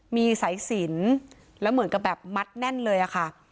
มีสายสินแล้วเหมือนกับแบบมัดแน่นเลยอะค่ะ